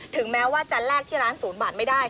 แม้ว่าจะแลกที่ร้าน๐บาทไม่ได้